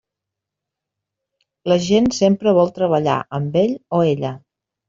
La gent sempre vol treballar amb ell o ella.